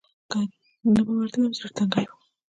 که نه به ورتلم زړه تنګۍ و.